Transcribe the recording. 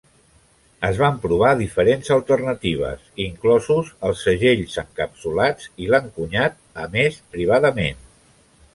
Es van provar diferents alternatives, inclosos els segells encapsulats i l'encunyat emès privadament.